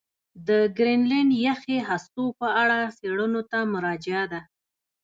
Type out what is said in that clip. د ګرینلنډ یخي هستو په اړه څېړنو ته مراجعه ده.